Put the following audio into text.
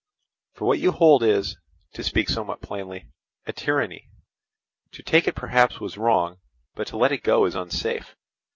For what you hold is, to speak somewhat plainly, a tyranny; to take it perhaps was wrong, but to let it go is unsafe.